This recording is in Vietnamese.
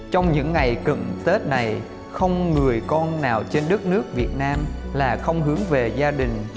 trong những ngày cận tết này không người con nào trên đất nước việt nam là không hướng về gia đình